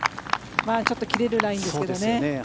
ちょっと切れるラインですけどね。